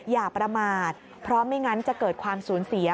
อย่าประมาทเพราะไม่งั้นจะเกิดความสูญเสีย